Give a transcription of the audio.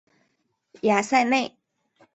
雅塞内。